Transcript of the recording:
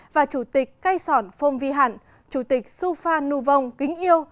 và chủ tịch cây sòn phong vi hẳn chủ tịch su phan nhu vong kính yêu